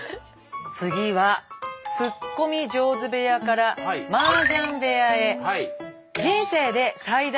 次はツッコミ上手部屋からマージャン部屋へ。